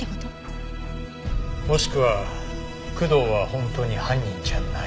もしくは工藤は本当に犯人じゃない。